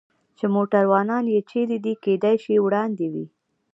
چې موټروانان یې چېرې دي؟ کېدای شي وړاندې وي.